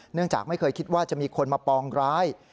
เนื่องจากไม่เคยคิดว่าจะมีคนมาปองร้าย